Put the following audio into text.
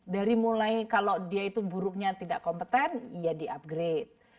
dari mulai kalau dia itu buruknya tidak kompeten ya di upgrade